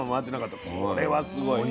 これはすごい。